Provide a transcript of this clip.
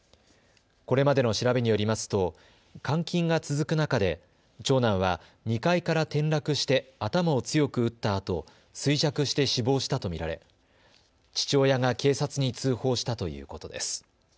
これまでの調べによりますと監禁が続く中で長男は２階から転落して頭を強く打ったあと衰弱して死亡したと見られ父親が警察に通報したということです。